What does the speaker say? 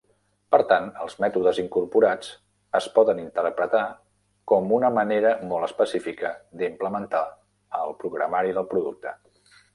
Per tant, els mètodes incorporats es poden interpretar com una manera molt específica d'implementar el programari del producte.